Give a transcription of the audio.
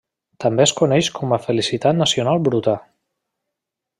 També es coneix com a Felicitat Nacional Bruta.